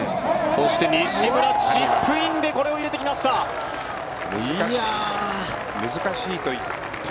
そして西村、チップインでこれを入れてきました。